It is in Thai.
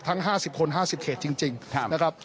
ทั้ง๕๐คน๕๐เกษจริงนะครับ